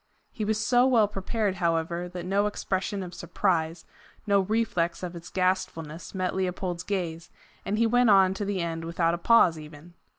He was so well prepared, however, that no expression of surprise, no reflex of its ghastfulness met Leopold's gaze, and he went on to the end without a pause even.